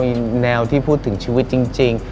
มีแนวที่พูดถึงชีวิตจริง